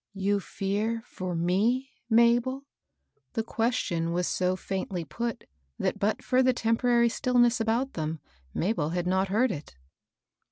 " You fear for me, Mabel ?" The question was so faintly put that, but for the temporary stillness about them, Mabel had not heard it.